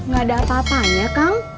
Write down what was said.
gak ada apa apanya kang